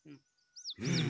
うん。